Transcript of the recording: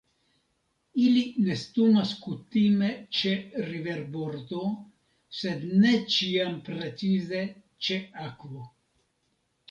Ili nestumas kutime ĉe riverbordo, sed ne ĉiam precize ĉe akvo.